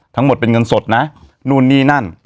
ทั้งหมดเป็นเงินสดนะนู่นนี่นั่น